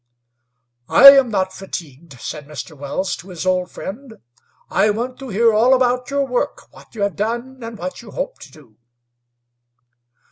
"I am not fatigued," said Mr. Wells, to his old friend. "I want to hear all about your work, what you have done, and what you hope to do."